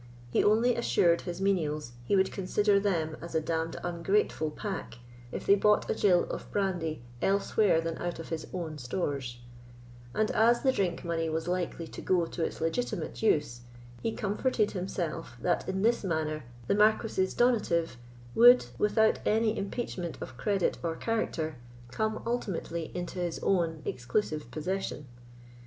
He only assured his menials he would consider them as a damned ungrateful pack if they bought a gill of brandy elsewhere than out of his own stores; and as the drink money was likely to go to its legitimate use, he comforted himself that, in this manner, the Marquis's donative would, without any impeachment of credit and character, come ultimately into his own exclusive possession.